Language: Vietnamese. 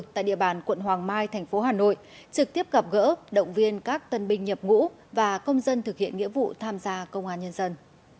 tại địa bàn quận hoàng mai thành phố hà nội trực tiếp gặp gỡ động viên các tân binh nhập ngũ và công dân thực hiện nghĩa vụ tham gia công an nhân dân